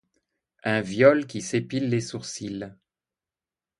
Un viol qui s'épile les sourcils.